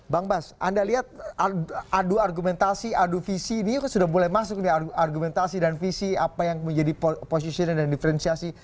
bang bas anda lihat adu argumentasi adu visi ini kan sudah mulai masuk nih argumentasi dan visi apa yang menjadi positioning dan diferensiasi